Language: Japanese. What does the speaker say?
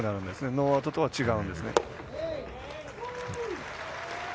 ノーアウトとは違うんですね。